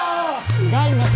違います。